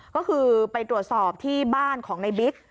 ก็คือไปตรวจสอบที่บ้านของในบิ๊ก